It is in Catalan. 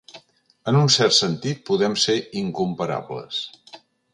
En un cert sentit, poden ser incomparables.